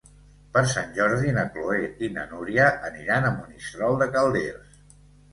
Per Sant Jordi na Chloé i na Núria aniran a Monistrol de Calders.